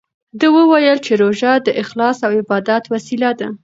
ده وویل چې روژه د اخلاص او عبادت وسیله ده.